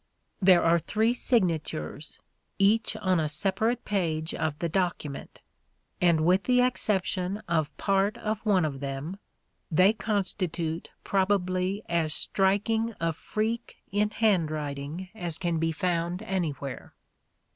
There are three signatures, each on a separate page of the document ; and, with the exception of part of one of them, they constitute probably as striking a freak in handwriting as can be found any where.